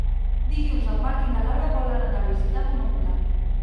Dilluns en Marc i na Laura volen anar a visitar mon oncle.